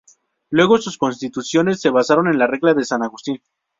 Luego sus constituciones se basaron en la Regla de San Agustín.